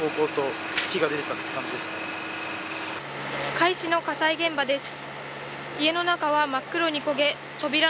甲斐市の火災現場です。